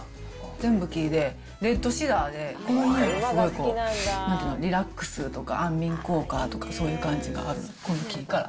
全部木で、レッドシダーで、すごいこう、リラックスとか、安眠効果とか、そういう感じがある、この木から。